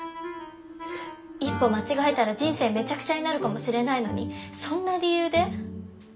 一歩間違えたら人生めちゃくちゃになるかもしれないのにそんな理由で？